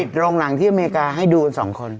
โรงหนังที่อเมริกาให้ดูกัน๒คน